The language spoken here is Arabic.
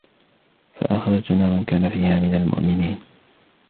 فأخرجنا من كان فيها من المؤمنين